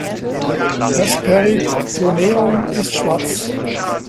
Das Peritoneum ist schwarz.